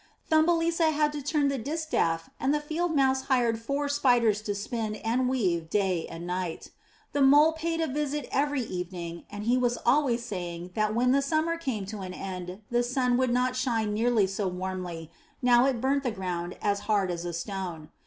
Thumbelisa had to turn the distaff and the Field Mouse hired four Spiders to spin and weave day and night. The Mole paid a 425 MY BOOK HOUSE Visit every evening and he was always saying that when the summer came to an end, the sun would not shine nearly so warmly (now it burnt the ground as hard as a stone).